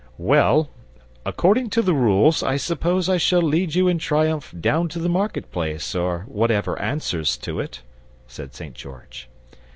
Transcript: "Well, according to the rules I suppose I shall lead you in triumph down to the market place or whatever answers to it," said St. George.